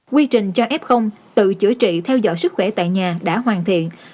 quy trình cho f tự chữa trị theo dõi sức khỏe tại nhà đã hoàn thiện